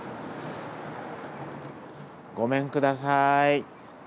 ごめんください。